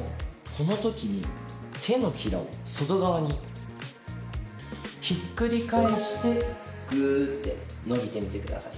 このときに手のひらを外側にひっくり返してぐーって伸びてみてください。